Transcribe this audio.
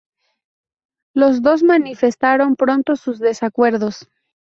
Los dos manifestaron pronto sus desacuerdos.